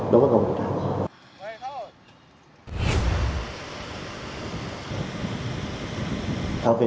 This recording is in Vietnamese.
đối với công ty đà nẵng